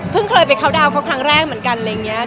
เพิ่งเคยไปเข้าดาวน์เขาครั้งแรกเหมือนกัน